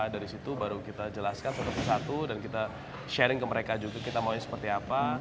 dari situ baru kita jelaskan satu persatu dan kita sharing ke mereka juga kita maunya seperti apa